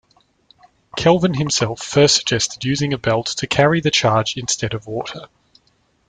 Kelvin himself first suggested using a belt to carry the charge instead of water.